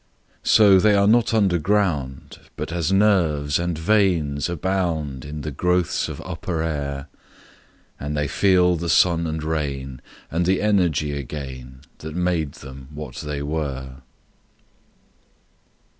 So, they are not underground, But as nerves and veins abound In the growths of upper air, And they feel the sun and rain, And the energy again That made them what they were!